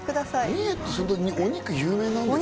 三重って、お肉有名なんですか？